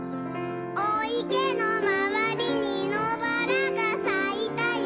「おいけのまわりにのばらがさいたよ」